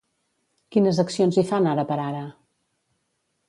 Quines accions hi fan ara per ara?